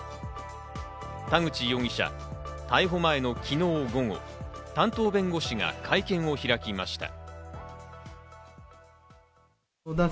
田口容疑者、逮捕前の昨日午後、担当弁護士が会見を開きました。